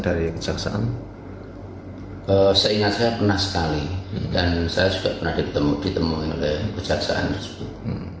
hai seingat saya pernah sekali dan saya sudah pernah ditemui ditemui oleh kejaksaan tersebut